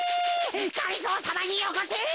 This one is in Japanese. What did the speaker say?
がりぞーさまによこせ！